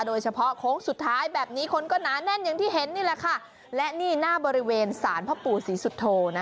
โค้งสุดท้ายแบบนี้คนก็หนาแน่นอย่างที่เห็นนี่แหละค่ะและนี่หน้าบริเวณสารพ่อปู่ศรีสุโธนะ